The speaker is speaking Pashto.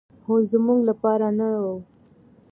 خو زموږ لپاره نه و.